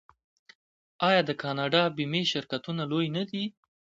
آیا د کاناډا بیمې شرکتونه لوی نه دي؟